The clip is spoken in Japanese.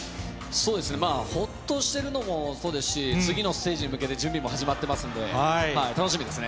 そうですね、ほっとしてるのもそうですし、次のステージに向けて準備も始まってますんで、楽しみですね。